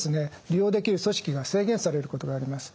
利用できる組織が制限されることがあります。